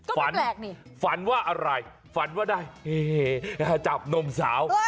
ก็ไม่แปลกนี่ฝันฝันว่าอะไรฝันว่าได้เฮ้เฮจับนมสาว